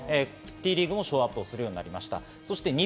Ｔリーグもショーアップするようになりました。